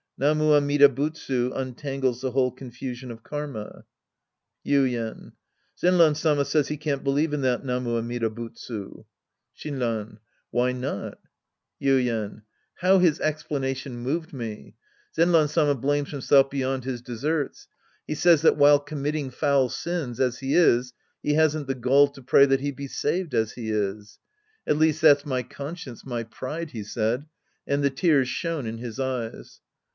" Namu Amida Butsu " untangles the whole confusion of karma. Yuien. Zenran Sama says he can't believe in that " Namu Amida Butsu." Sc. II The Priest and His Disciples 127 Shinran. Why not ? Yuien. How his explanation moved me !' Zenran Sama blames himself beyond his deserts. He says that while committing foul sins as he is he hasn't the gall to pray that he be saved as he is. " At least that's my conscience, my pride," he said, and the tears shone in his eyes.